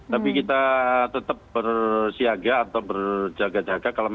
tapi kita tetap bersiaga atau berjaga jaga